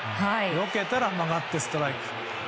よけたら、はまってストライク。